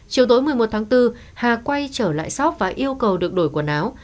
chiều tối một mươi một tháng bốn hà quay trở lại shop và yêu cầu được đổi quần áo